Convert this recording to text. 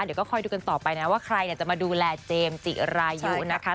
เดี๋ยวก็คอยดูกันต่อไปนะว่าใครจะมาดูแลเจมส์จิรายุนะคะ